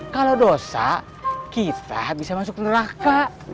kalau dosa kita bisa masuk neraka